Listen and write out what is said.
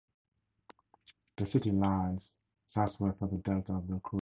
The city lies southwest of the delta of the Kura River.